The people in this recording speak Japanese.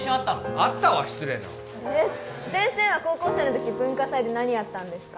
あったわ失礼な先生は高校生のとき文化祭で何やったんですか？